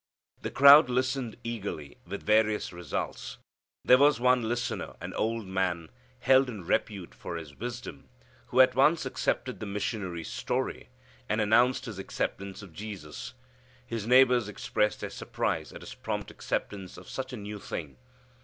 The crowd listened eagerly with various results. There was one listener, an old man, held in repute for his wisdom, who at once accepted the missionary's story, and announced his acceptance of Jesus. His neighbors expressed their surprise at his prompt acceptance of such a new thing.